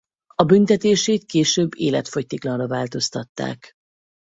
A büntetését később életfogytiglanra változtatták.